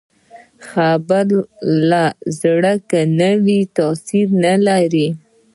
خبره له زړه که نه وي، تاثیر نه لري